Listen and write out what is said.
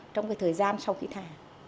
trong cái thời gian sau khi thả